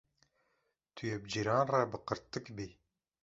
Tu yê bi cîran re bi qirtiq bî.